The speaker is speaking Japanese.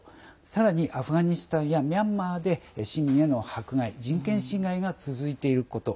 さらにアフガニスタンやミャンマーで市民への迫害、人権侵害が続いていること。